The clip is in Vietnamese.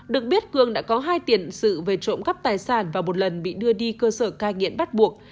được biết cường đã có hai tiền sự về trộm cắp tài sản và một lần bị đưa đi cơ sở cai nghiện bắt buộc